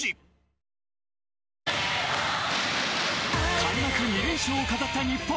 開幕２連勝を飾った日本。